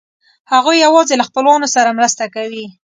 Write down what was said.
هغوی یواځې له خپلوانو سره مرسته کوي.